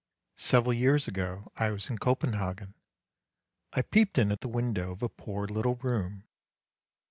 " Several years ago I was in Copenhagen; I peeped in at the window of a poor little room.